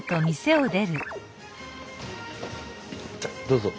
どうぞ。